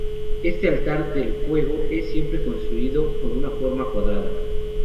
Este altar del fuego es siempre construido con una forma cuadrada.